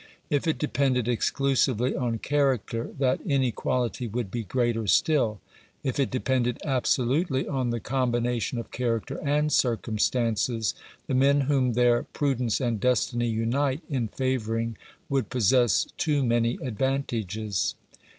If it depended exclusively on char acter, that inequality would be greater still. If it depended absolutely on the combination of character and circum stances, the men whom their prudence and destiny unite in favouring would possess too many advantages.